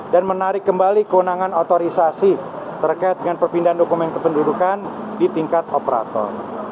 dan menarik kembali kewenangan otorisasi terkait dengan perpindahan dokumen kependudukan di tingkat operator